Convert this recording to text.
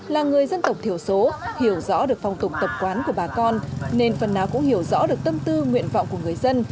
là người dân tộc thiểu số hiểu rõ được phong tục tập quán của bà con nên phần nào cũng hiểu rõ được tâm tư nguyện vọng của người dân